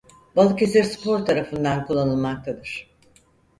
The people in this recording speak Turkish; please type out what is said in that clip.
Balıkesirspor tarafından kullanılmaktadır.